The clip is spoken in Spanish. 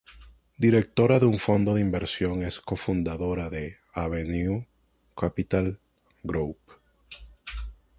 Directora de un fondo de inversión, es cofundadora de Avenue Capital Group.